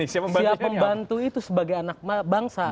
siap membantu itu sebagai anak bangsa